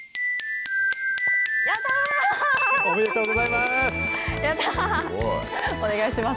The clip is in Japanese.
おめでとうございます。